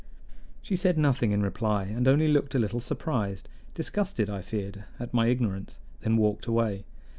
She said nothing in reply, and only looked a little surprised disgusted, I feared at my ignorance, then walked away.